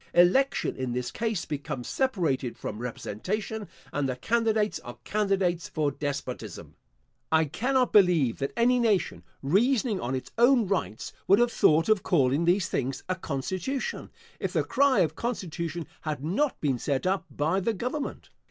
Election, in this case, becomes separated from representation, and the candidates are candidates for despotism. I cannot believe that any nation, reasoning on its own rights, would have thought of calling these things a constitution, if the cry of constitution had not been set up by the government.